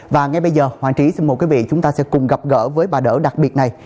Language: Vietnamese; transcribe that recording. và ngay bây giờ hoàng trí xin mời quý vị chúng ta sẽ cùng gặp gỡ với bà đỡ đặc biệt này